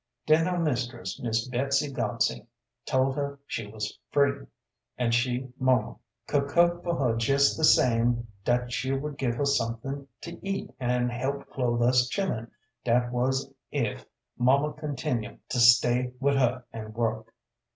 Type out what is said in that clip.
Den her mistess, Miss Betsy Godsey, tol' her she wuz free, an' she (muma) coul' cook fer her jes th' same dat she would give her something to eat an' help clothe us chillun, dat wuz ef muma continual' to sta wid her an' work.